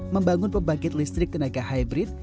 membangun pembangkit listrik tenaga hybrid